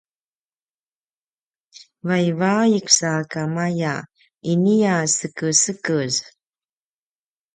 vaivaik sakamaya inia sekesekez